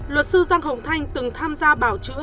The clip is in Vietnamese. luật sư giang hồng thanh từng tham gia bảo chữ